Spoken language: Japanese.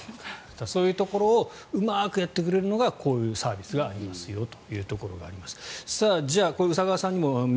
そういうところをうまくやってくれるのがこういうサービスがありますよと。